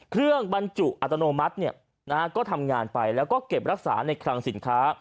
บรรจุอัตโนมัติก็ทำงานไปแล้วก็เก็บรักษาในคลังสินค้า